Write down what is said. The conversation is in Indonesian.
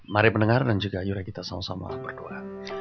mari pendengar dan juga ayurah kita sama sama berdoa